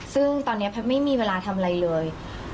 ซึ่งตอนนี้แพทย์ไม่มีเวลาทำอะไรเลย